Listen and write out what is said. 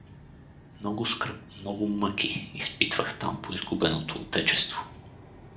Много скръб, много мъки изпитвах там по изгубеното отечество.